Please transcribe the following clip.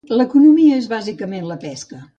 L'economia és bàsicament la pesca.